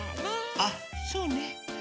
あっそうね。